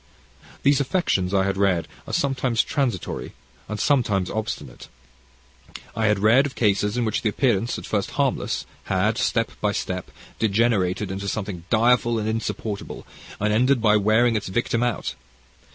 "These affections, I had read, are sometimes transitory and sometimes obstinate. I had read of cases in which the appearance, at first harmless, had, step by step, degenerated into something direful and insupportable, and ended by wearing its victim out.